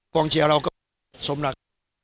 กรงเจียเราก็สมรัก